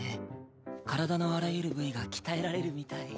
体のあらゆる部位が鍛えられるみたい。